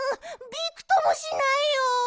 びくともしないよ。